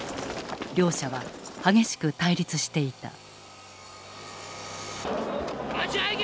両者は激しく対立していた。